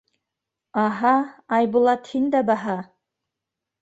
— Аһа, Айбулат, һин дә баһа.